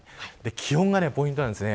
気温がポイントです。